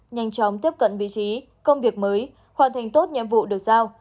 nhanh chóng tiếp cận vị trí công việc mới hoàn thành tốt nhiệm vụ được giao